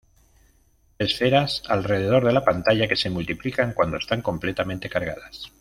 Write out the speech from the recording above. Esferas alrededor de la pantalla que se multiplican cuando están completamente cargadas.